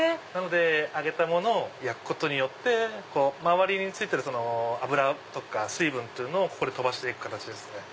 揚げたものを焼くことによって周りについてる油とか水分をここで飛ばして行く形ですね。